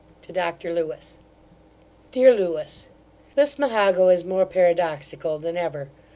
To Dr LEWIS. DEAR LEWIS, Lismahago is more paradoxical than ever.